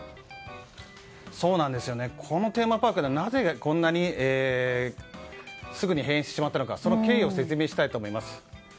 このテーマパークはなぜこんなにすぐに閉園してしまったのかその経緯を説明したいと思います。